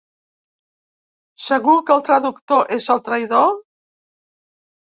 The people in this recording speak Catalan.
Segur que el traductor és el traïdor?